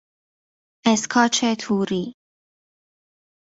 اسکاچ توری